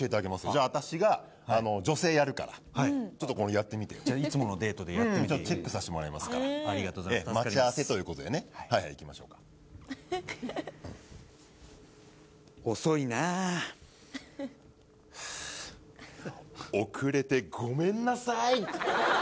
じゃあ私が女性やるからちょっとやってみてよじゃいつものデートでやってみてチェックさせてもらいますからありがとうございます助かります待ち合わせということでねはいはいいきましょうか遅いな遅れてごめんなさい